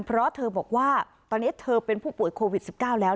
เพราะเธอบอกว่าตอนนี้เธอเป็นผู้ป่วยโควิด๑๙แล้ว